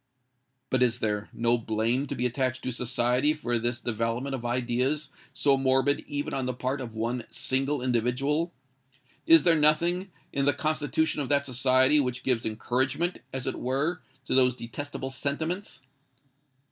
But is there no blame to be attached to society for this development of ideas so morbid even on the part of one single individual? is there nothing in the constitution of that society which gives encouragement, as it were, to those detestable sentiments?